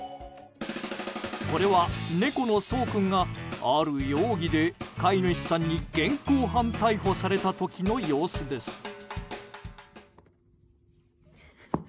これは、猫のソウ君がある容疑で飼い主さんに現行犯逮捕された時の様子です。